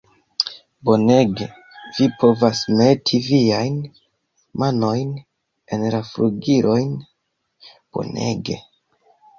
Bonege, vi povas meti viajn manojn en la flugilojn. Bonege!